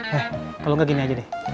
hei kalau nggak gini aja deh